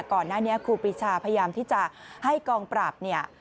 ก่อนหน้านี้ครูปีชาพยายามที่จะให้กองปราบเนี่ย